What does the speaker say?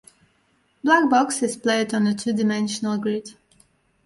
"Black Box" is played on a two-dimensional grid.